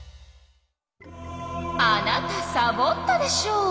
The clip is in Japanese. あなたサボったでしょ！